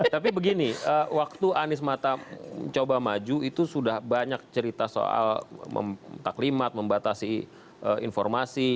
tapi begini waktu anies mata coba maju itu sudah banyak cerita soal taklimat membatasi informasi